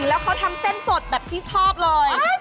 เธอทำเส้นสดที่ชอบเลย